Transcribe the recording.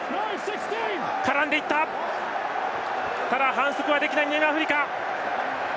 反則はできない南アフリカ。